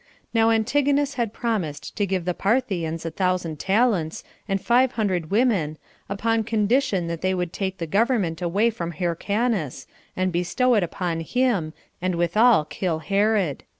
Now Antigonus had promised to give the Parthians a thousand talents, and five hundred women, upon condition they would take the government away from Hyrcanus, and bestow it upon him, and withal kill Herod.